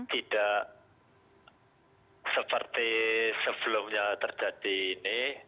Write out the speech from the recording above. tidak seperti sebelumnya terjadi ini